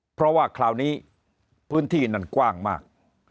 เพราะว่าคราวนี้พื้นที่นั้นกว้างมาก